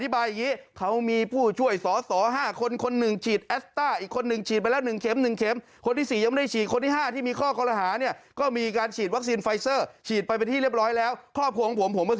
อธิบายยังงี้เขามีผู้ช่วยสสห้าคน